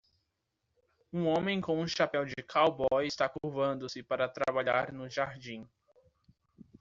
Um homem com um chapéu de cowboy está curvando-se para trabalhar no jardim.